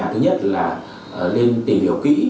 thứ nhất là nên tìm hiểu kỹ